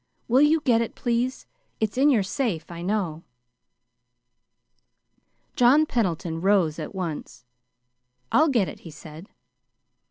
Will you get it, please? It's in your safe, you know." John Pendleton rose at once. "I'll get it," he said.